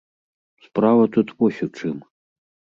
Справа тут вось у чым.